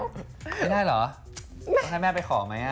ไม่ได้เหรอจะให้แม่ไปขอไหม